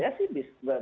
luar biasa saya sih